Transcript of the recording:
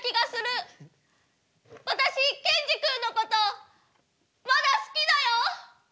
私ケンジ君のことまだ好きだよ！